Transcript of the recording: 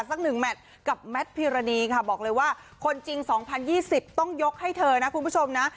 สักหนึ่งแมทกับแมทพิรณีค่ะบอกเลยว่าคนจริง๒๐๒๐ต้องยกให้เธอนะคุณผู้ชมนะ